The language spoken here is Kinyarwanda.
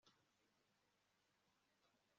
reba kuyobora abakoresha niba ufite ibibazo